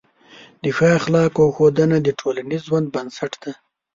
د ښه اخلاقو ښودنه د ټولنیز ژوند بنسټ دی.